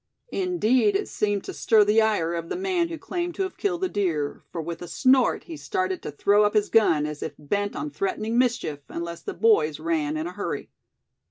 Indeed, it seemed to stir the ire of the man who claimed to have killed the deer, for with a snort, he started to throw up his gun, as if bent on threatening mischief, unless the boys ran in a hurry.